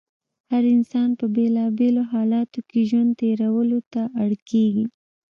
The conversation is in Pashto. هر انسان په بېلا بېلو حالاتو کې ژوند تېرولو ته اړ کېږي.